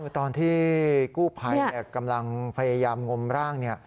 ตอนที่กู้ภัยกำลังพยายามงมร่าง